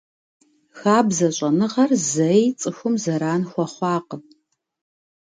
Хабзэ щӀэныгъэр зэи цӀыхум зэран хуэхъуакъым.